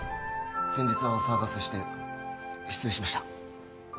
先日はお騒がせして失礼しました。